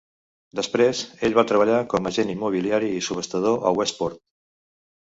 Després, ell va treballar com a agent immobiliari i subhastador a Westport.